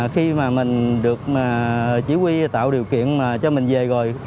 khi mà mình được chỉ huy tạo điều kiện cho mình về rồi